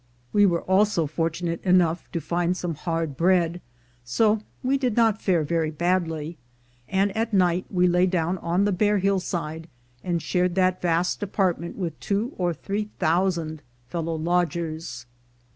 We were also fortunate enough to 332 THE GOLD HUNTERS find some hard bread, so we did not fare very badly; and at night we lay down on the bare hillside, and shared that vast apartment with two or three thou sand fellow lodgers.